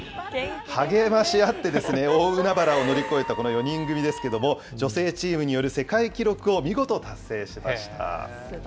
励まし合って大海原を乗り越えたこの４人組ですけれども、女性チームによる世界記録を見事達成しました。